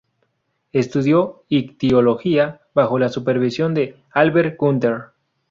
Estudió ictiología bajo la supervisión de Albert Günther.